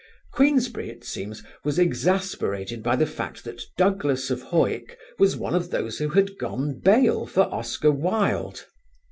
Queensberry it seems was exasperated by the fact that Douglas of Hawick was one of those who had gone bail for Oscar Wilde.